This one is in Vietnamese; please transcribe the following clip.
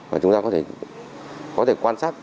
và chúng ta có thể quan sát